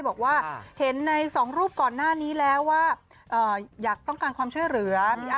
บอกว่าเห็นในสองรูปก่อนหน้านี้แล้วว่าอยากต้องการความช่วยเหลือ